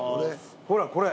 ほらこれ。